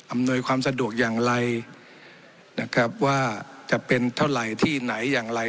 อำนวยความสะดวกอย่างไรนะครับว่าจะเป็นเท่าไหร่ที่ไหนอย่างไร